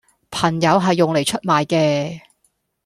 朋友係用黎出賣既